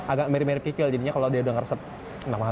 agak mirip mirip kecil jadinya kalau dia dengar resep enak banget